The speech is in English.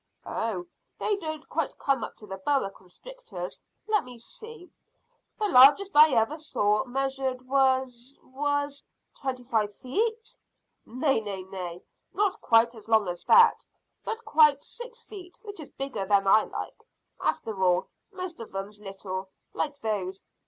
"Oh, they don't come quite up to boa constrictors. Let me see, the largest I ever saw measured was was " "Twenty five feet?" "Nay, nay, nay, not quite as long as that, but quite six feet, which is bigger than I like, after all. Most of 'em's little, like those.